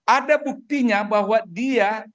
ada buktinya bahwa dia